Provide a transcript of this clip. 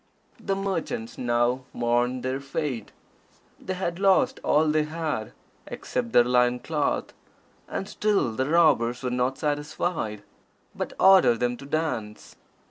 The merchants now mourned their fate. They had lost all they had, except their loin cloth, and still the robbers were not satisfied, but ordered them to dance.